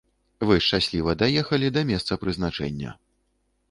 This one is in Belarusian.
Вы шчасліва даехалі да месца прызначэння.